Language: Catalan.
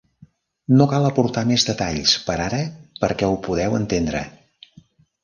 No cal aportar més detalls per ara perquè ho podeu entendre.